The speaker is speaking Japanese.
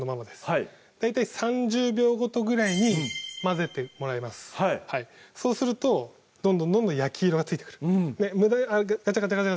はい大体３０秒ごとぐらいに混ぜてもらいますそうするとどんどんどんどん焼き色がついてくるガチャガチャ